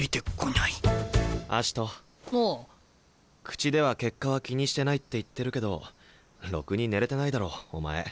口では結果は気にしてないって言ってるけどろくに寝れてないだろお前。